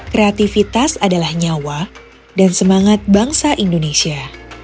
kreativitas adalah nyawa dan semangat bangsa indonesia